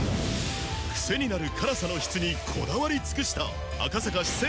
クセになる辛さの質にこだわり尽くした赤坂四川